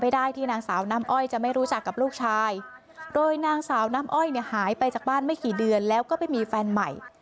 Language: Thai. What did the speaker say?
โดยนางสาวน้ำอ้อยหายไปจากบ้านไม่กี่เดือนแล้วก็ไปมีแฟนใหม่